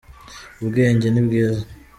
ubwenge nibwiza.